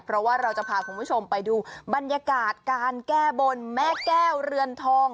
เพราะว่าเราจะพาคุณผู้ชมไปดูบรรยากาศการแก้บนแม่แก้วเรือนทอง